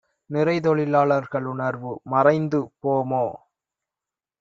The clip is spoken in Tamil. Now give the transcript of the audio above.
நிறைதொழிலா ளர்களுணர்வு மறைந்து போமோ?